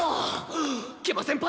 食満先輩